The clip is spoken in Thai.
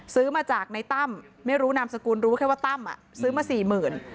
ซื้อมาจากในตั้มไม่รู้นามสกุลรู้แค่ว่าตั้มซื้อมาสี่หมื่น